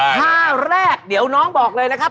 ท่าแรกเดี๋ยวน้องบอกเลยนะครับ